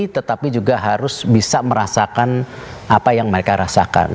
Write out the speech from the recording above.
tetapi juga harus bisa merasakan apa yang mereka rasakan